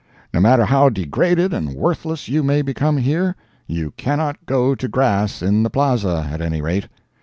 No matter how degraded and worthless you may become here, you cannot go to grass in the Plaza, at any rate.